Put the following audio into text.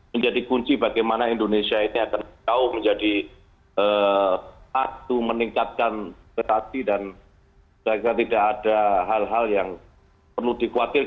menjadi kunci bagaimana indonesia ini akan jauh menjadi satu meningkatkan prestasi dan saya kira tidak ada hal hal yang perlu dikhawatirkan